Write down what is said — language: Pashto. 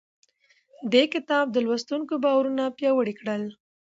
دې کتاب د لوستونکو باورونه پیاوړي کړل.